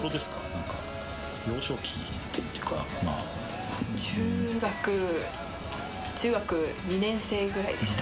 何か幼少期というかまあ中学中学２年生ぐらいでしたね